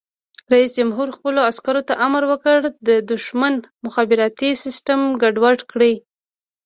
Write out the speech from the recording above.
رئیس جمهور خپلو عسکرو ته امر وکړ؛ د دښمن مخابراتي سیسټم ګډوډ کړئ!